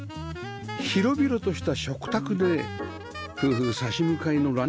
広々とした食卓で夫婦差し向かいのランチタイム